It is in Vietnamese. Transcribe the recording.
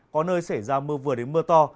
có nơi xảy ra mưa vừa đến mưa to